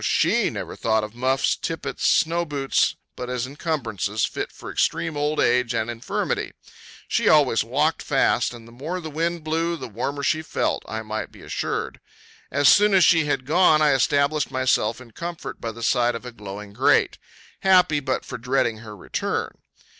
She never thought of muffs, tippets, snow boots, but as encumbrances fit for extreme old age and infirmity. She always walked fast, and the more the wind blew, the warmer she felt, I might be assured. As soon as she had gone, I established myself in comfort by the side of a glowing grate, happy but for dreading her return.